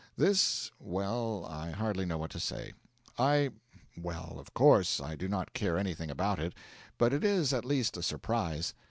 This well, I hardly know what to say. I well, of course, I do not care anything about it; but it is at least a surprise.